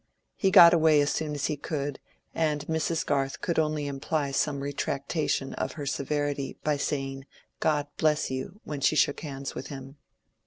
He got away as soon as he could, and Mrs. Garth could only imply some retractation of her severity by saying "God bless you" when she shook hands with him.